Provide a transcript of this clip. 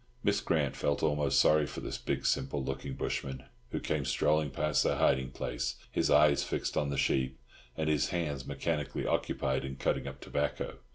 Miss Grant felt almost sorry for this big, simple looking bushman, who came strolling past their hiding place, his eyes fixed on the sheep, and his hands mechanically occupied in cutting up tobacco.